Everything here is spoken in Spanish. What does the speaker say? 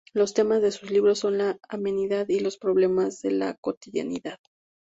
Los temas de sus libros son la amenidad y los problemas de la cotidianidad.